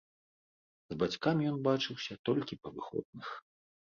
З бацькамі ён бачыўся толькі па выходных.